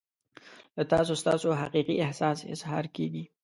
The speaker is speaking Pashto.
له تاسو ستاسو حقیقي احساس اظهار کیږي.